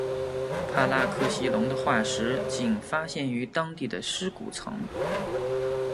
帕拉克西龙的化石仅发现于当地的尸骨层。